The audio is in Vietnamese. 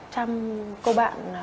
chăm cô bạn